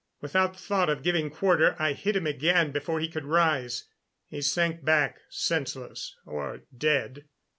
Without thought of giving quarter, I hit him again before he could rise. He sank back, senseless or dead.